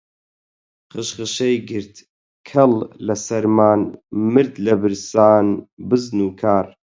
خشخشەی گرت کەڵ لە سەرمان، مرد لە برسان بزن و کار